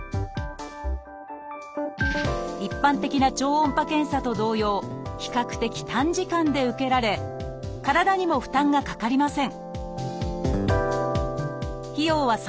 一般的な超音波検査と同様比較的短時間で受けられ体にも負担がかかりません